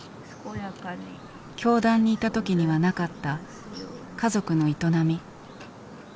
教団にいた時にはなかった家族の営み。